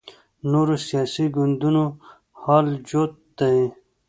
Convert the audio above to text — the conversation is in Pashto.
نورو سیاسي ګوندونو حال جوت دی